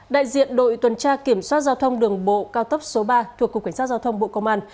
đại diện đội tuần tra kiểm soát giao thông đường bộ cao tốc số ba thuộc cục cảnh sát giao thông bộ công an